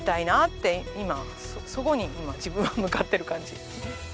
今そこに今自分は向かっている感じ。